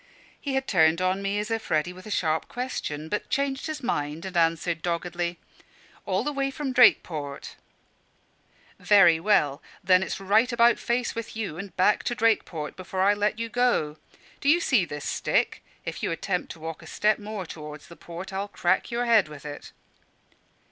He had turned on me as if ready with a sharp question, but changed his mind and answered doggedly "All the way from Drakeport." "Very well; then it's right about face with you and back to Drakeport before I let you go. Do you see this stick? If you attempt to walk a step more towards the port, I'll crack your head with it."